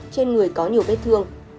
trên người có nhiều bết thương